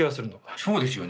そうですよね。